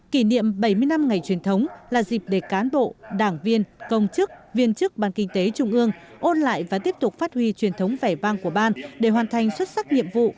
kỷ niệm bảy mươi năm ngày truyền thống là dịp để cán bộ đảng viên công chức viên chức ban kinh tế trung ương ôn lại và tiếp tục phát huy truyền thống vẻ vang của ban để hoàn thành xuất sắc nhiệm vụ